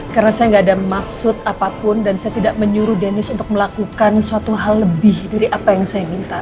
karena saya tidak ada maksud apapun dan saya tidak menyuruh deniz untuk melakukan suatu hal lebih dari apa yang saya minta